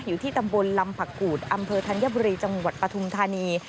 อยู่ที่ตำบลลำผักกูดอำเภอธัญบุรีจังหวัดปฐุมธานี